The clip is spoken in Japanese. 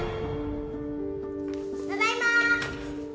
ただいま！